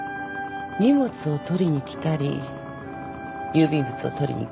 荷物を取りに来たり郵便物を取りに来たり。